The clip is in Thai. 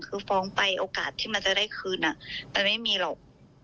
คือฟ้องไปโอกาสที่มันจะได้คืนมันไม่มีหรอก